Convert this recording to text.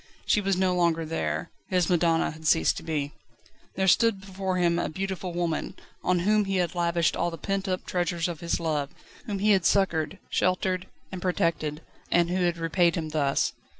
She was no longer there. His madonna had ceased to be. There stood before him a beautiful woman, on whom he had lavished all the pent up treasures of his love, whom he had succoured, sheltered, and protected, and who had repaid him thus.